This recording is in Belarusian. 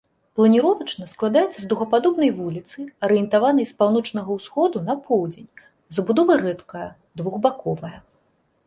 Планіровачна складаецца з дугападобнай вуліцы, арыентаванай з паўночнага ўсходу на поўдзень, забудова рэдкая, двухбаковая.